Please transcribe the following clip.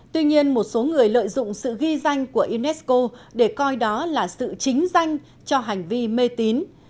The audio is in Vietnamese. tuy nhiên một số người lợi dụng sự ghi danh của unesco để coi đó là sự chính danh cho hành vi mê tín